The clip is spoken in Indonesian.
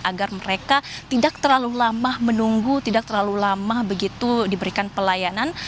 agar mereka tidak terlalu lama menunggu tidak terlalu lama begitu diberikan pelayanan